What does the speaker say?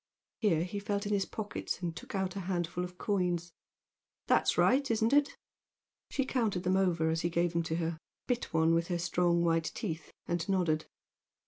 Here he felt in his pockets and took out a handful of coins. "That's right, isn't it?" She counted them over as he gave them to her bit one with her strong white teeth and nodded.